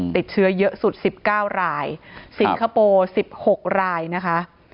ติดเชื้อเยอะสุด๑๙รายสิงคโปร์๑๖รายนะคะ